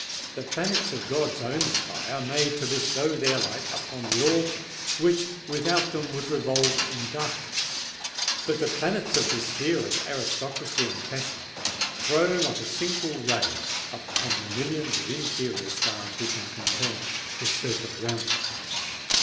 The planets of God's own sky are made to bestow their light upon the orbs which without them would revolve in darkness; but the planets of the sphere of aristocracy and fashion throw not a single ray upon the millions of inferior stars which are compelled to circle around them!